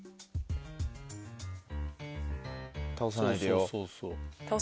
倒さないでよ。